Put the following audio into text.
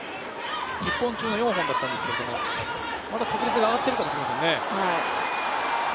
１０本中の４本だったんですけどもまた確率が上がっているかもしれないですね。